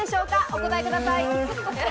お答えください。